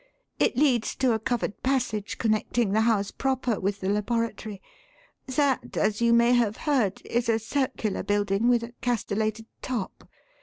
It leads to a covered passage connecting the house proper with the laboratory. That, as you may have heard, is a circular building with a castellated top.